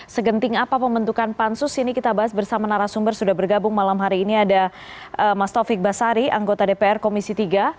segenting apa pembentukan pansus ini kita bahas bersama narasumber sudah bergabung malam hari ini ada mas taufik basari anggota dpr komisi tiga